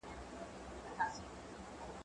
زه مخکي درس لوستی و!؟